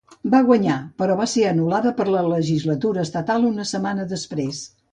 Va guanyar, però va ser anul·lada per la legislatura estatal una setmana després.